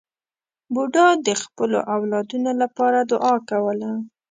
بوډا د خپلو اولادونو لپاره دعا کوله.